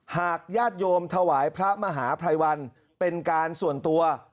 หากญาติโยมถวายพระมหาภัยวันเป็นการส่วนตัว